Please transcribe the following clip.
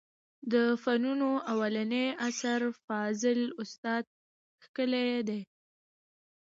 د فنونو اولنى اثر فاضل استاد کښلى دئ.